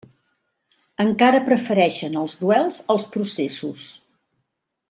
Encara prefereixen els duels als processos.